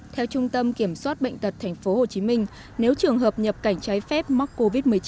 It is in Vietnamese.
theo trung tâm kiểm soát bệnh tật tp hcm nếu trường hợp nhập cảnh trái phép mắc covid một mươi chín